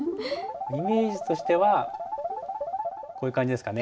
イメージとしてはこういう感じですかね。